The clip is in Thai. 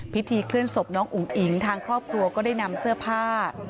พิธีเคลื่อนศพน้องอุ๋งอิ๋งทางครอบครัวก็ได้นำเสื้อผ้า